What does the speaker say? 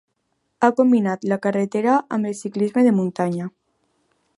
Ha combinat la carretera amb el ciclisme de muntanya.